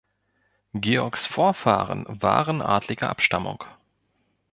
Georgs Vorfahren waren adliger Abstammung.